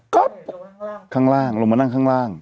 ก็ข้างล่างลงมานั่งข้างล่าง